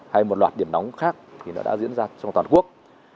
hay một loạt điểm nóng khác thì đã diễn ra trong toàn quốc